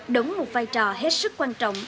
đống một vai trò hết sức quan trọng